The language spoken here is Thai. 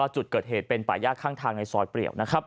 จุดเกิดเหตุเป็นปะยากข้างทางในสอยเปรียว